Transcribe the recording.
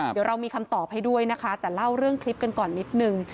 เดี๋ยวเรามีคำตอบให้ด้วยนะคะแต่เล่าเรื่องคลิปกันก่อนนิดนึง